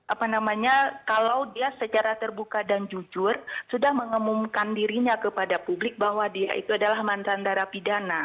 apa namanya kalau dia secara terbuka dan jujur sudah mengemumkan dirinya kepada publik bahwa dia itu adalah mantan darah pidana